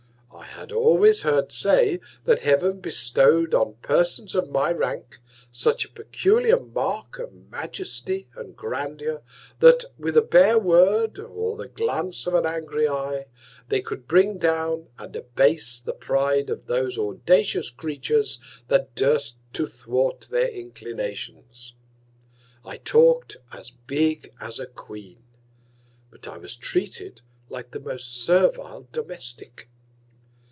I had always heard say, that Heav'n bestow'd on Persons of my Rank, such a peculiar Mark of Majesty and Grandeur, that with a bare Word, or the Glance of an angry Eye, they could bring down, and abase the Pride of those audacious Creatures that durst to thwart their Inclinations. I talk'd as big as a Queen; but I was treated like the most servile Domestic.